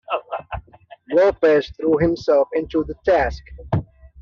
Lopes threw himself into the task.